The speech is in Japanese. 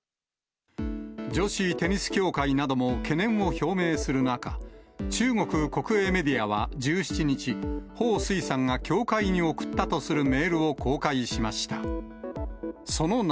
女子テニス協会なども懸念を表明する中、中国国営メディアは１７日、彭帥さんが協会に送ったとするメールを公開しました。